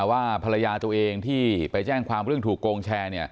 ว่าภรรยาตัวเองที่ไปแจ้งความเรื่องถูกโกงแชร์